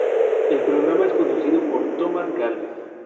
El programa es conducido por Tomás Gálvez.